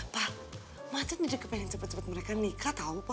pa macan ini pengen cepet cepet mereka nikah tau pa